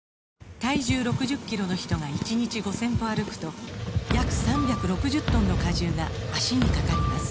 体重６０キロの人が１日５０００歩歩くと約３６０トンの荷重が脚にかかります